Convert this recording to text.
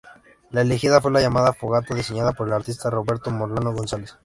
La elegida fue la llamada Fogata, diseñada por el artista Roberto Molano González.